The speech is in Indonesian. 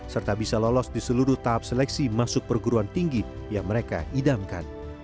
serta bisa lolos di seluruh tahap seleksi masuk perguruan tinggi yang mereka idamkan